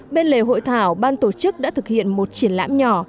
bên lề hội thảo ban tổ chức đã thực hiện một triển lãm nhỏ